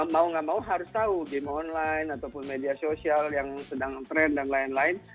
mau nggak mau harus tahu game online ataupun media sosial yang sedang tren dan lain lain